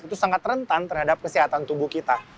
itu sangat rentan terhadap kesehatan tubuh kita